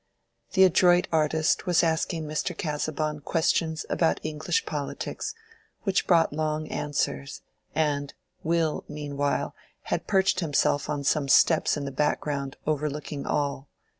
The adroit artist was asking Mr. Casaubon questions about English polities, which brought long answers, and, Will meanwhile had perched himself on some steps in the background overlooking all.